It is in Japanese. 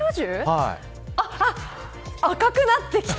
赤くなってきた。